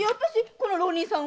この浪人さん？